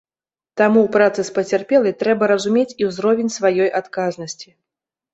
Таму ў працы з пацярпелай трэба разумець і ўзровень сваёй адказнасці.